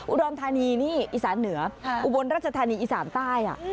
อุดรธานีนี่อีสานเหนืออุบลรัชธานีอีสานใต้